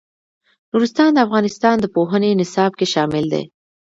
نورستان د افغانستان د پوهنې نصاب کې شامل دي.